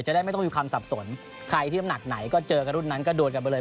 จะได้ไม่ต้องมีความสับสนใครที่น้ำหนักไหนก็เจอกับรุ่นนั้นก็โดนกันไปเลย